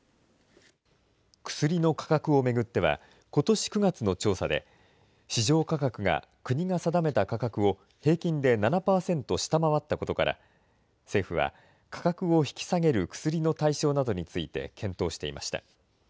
薬の価格を巡っては、ことし９月の調査で、市場価格が国が定めた価格を、平均で７％下回ったことから、政府は価格を引き下げる薬の対象などについて検討していました。